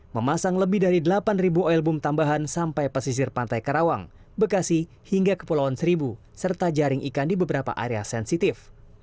memasang lebih dari delapan oil boom tambahan sampai pesisir pantai karawang bekasi hingga kepulauan seribu serta jaring ikan di beberapa area sensitif